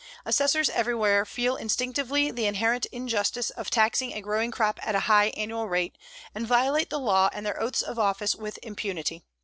Assessors everywhere feel instinctively the inherent injustice of taxing a growing crop at a high annual rate, and violate the law and their oaths of office with impunity.